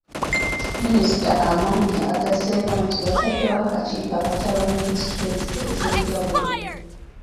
Minisita Amongi agasseeko nti bataddewo akakiiko akataba minisitule ez'enjawulo